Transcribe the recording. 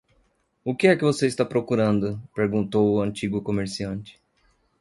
"O que é que você está procurando?" perguntou o antigo comerciante.